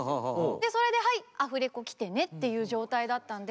でそれで「はいアフレコ来てね」っていう状態だったんで。